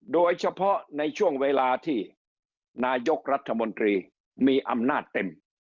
โดยเฉพาะในช่วงเวลาที่นายกรัฐมนตรีมีอำนาจเต็ม